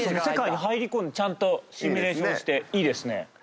世界に入り込んでちゃんとシミュレーションしていいです。